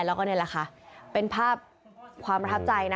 แล้วก็นี่แหละค่ะเป็นภาพความประทับใจนะ